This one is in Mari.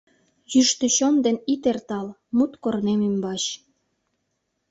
Йӱштӧ чон ден ит эртал Мут корнем ӱмбач.